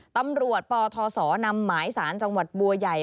ตำรวจปทศนำหมายสารจังหวัดบัวใหญ่